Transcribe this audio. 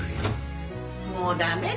・・もう駄目だわ。